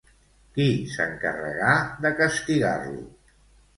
Qui s'encarregà de castigar-lo?